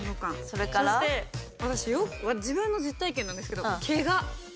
そして私自分の実体験なんですけど「ケガ」。